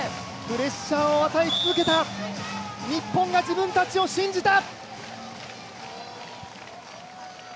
プレッシャーを与え続けた日本が、自分たちを信じた！